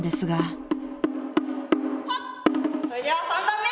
それでは３段目。